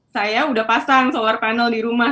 saya udah pasang solar panel di rumah